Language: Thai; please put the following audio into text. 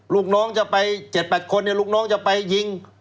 ลูกน้องจะไป๗๘คนลูกน้องจะไปยิง